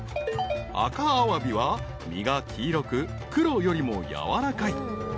［赤アワビは身が黄色く黒よりもやわらかい］